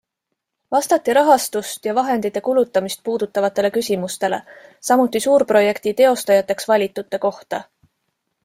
Vastati rahastust ja vahendite kulutamist puudutavatele küsimustele, samuti suurprojekti teostajateks valitute kohta.